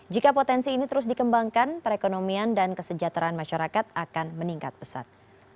jika potensi ini terus dikembangkan perekonomian dan kesejahteraan masyarakat akan meningkat pesat